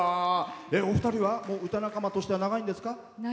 お二人は歌仲間としては長いんですか？